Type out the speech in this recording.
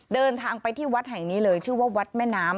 เดินทางไปที่วัดแห่งนี้เลยชื่อว่าวัดแม่น้ำ